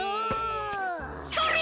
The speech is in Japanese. それ！